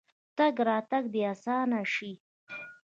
تګ راتګ دې اسانه شي.